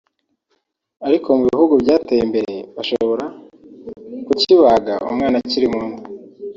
ariko mu bihugu byateye imbere bashobora ku kibaga umwana akiri mu nda